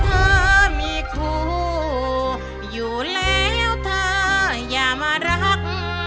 เพราะเธอมีครูอยู่แล้วเธอย่ามารัก